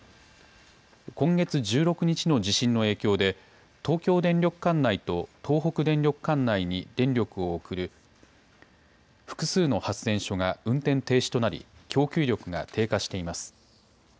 今月１６日の地震の影響で東京電力管内と東北電力管内に電力を送る複数の発電所が運転停止となり供給力が低下しています。